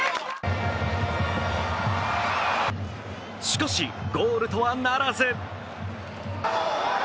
しかし、ゴールとはならず。